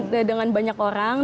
dan dengan banyak orang